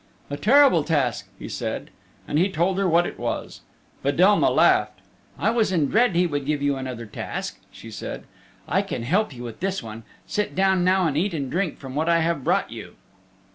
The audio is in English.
"A terrible task," he said, and he told her what it was. Fedelma laughed. "I was in dread he would give you another task," she said. "I can help you with this one. Sit down now and eat and drink from what I have brought you."